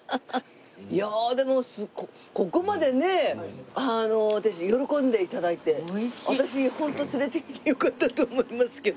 いやでもすごいここまでねえ喜んで頂いて私ホント連れてきてよかったと思いますけど。